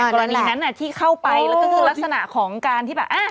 กรณีนั้นที่เข้าไปแล้วก็คือลักษณะของการที่แบบ